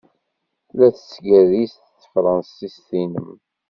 La tettgerriz tefṛensist-nnem.